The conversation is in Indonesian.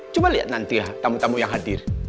coba liat nanti tamu tamu yang hadir